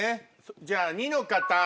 じゃあ２の方。